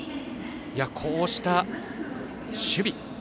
こうした守備。